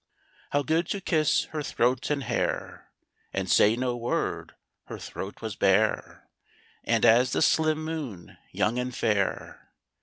How good to kiss her throat and hair, And say no word! Her throat was bare, And, as the slim moon, young and fair.